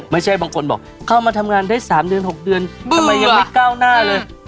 ไม่ใช่บางคนบอกเข้ามาทำงานได้๓เดือน๖เดือนทำไมยังไม่ก้าวหน้าเลย